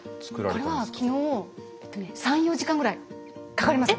これは昨日３４時間ぐらいかかります